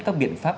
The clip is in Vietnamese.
các biện pháp